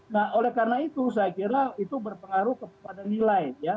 nah oleh karena itu saya kira itu berpengaruh kepada nilai ya